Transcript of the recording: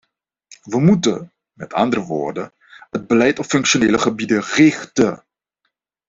We moeten, met andere woorden, het beleid op functionele gebieden richten.